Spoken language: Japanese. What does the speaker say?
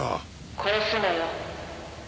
「殺すのよ」